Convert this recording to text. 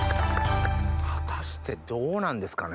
果たしてどうなんですかね？